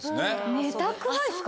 寝たくないですか？